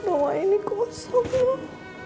rumah ini kosong loh